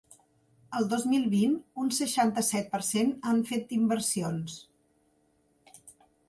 El dos mil vint un seixanta-set per cent han fet inversions.